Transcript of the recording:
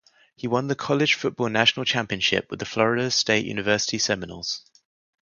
He won the College Football National Championship with the Florida State University Seminoles.